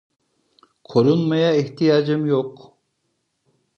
Korunmaya ihtiyacım yok.